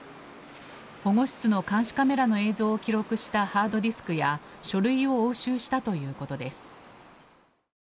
保護室の監視カメラの映像を記録したハードディスクや書類を押収したということです。